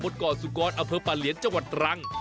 ตก่อสุกรอเภอปะเหลียนจังหวัดตรัง